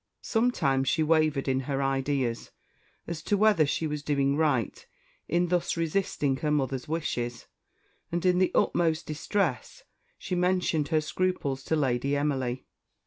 Sometimes she wavered in her ideas as to whether she was doing right in thus resisting her mother's wishes; and in the utmost distress she mentioned her scruples to Lady Emily.